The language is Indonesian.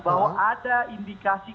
bahwa ada indikasi